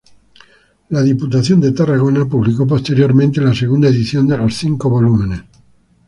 La Diputación de Tarragona publicó posteriormente la segunda edición de los cinco volúmenes.